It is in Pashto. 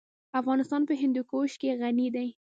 افغانستان په هندوکش غني دی.